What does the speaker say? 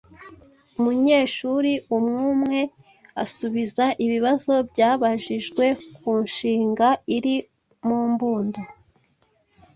Umunyeshuri umwumwe asubize ibibazo byabajijwe ku nshinga iri mu mbundo,